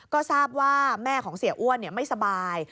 ก็ทราบว่าแม่ของเสียอ้วนไม่สบาย